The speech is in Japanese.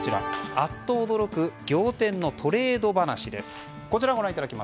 アッと驚く仰天のトレード話です。